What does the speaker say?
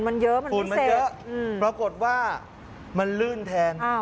อ๋อมันยั้ยเยอะปรากฏว่ามันลื่นแทน